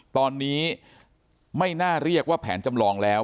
ตอนนี้ไม่น่าเรียกว่าแผนจำลองแล้ว